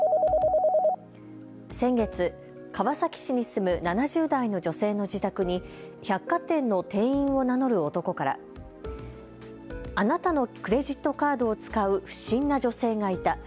先月、川崎市に住む７０代の女性の自宅に百貨店の店員を名乗る男からあなたのクレジットカードを使う不審な女性がいた。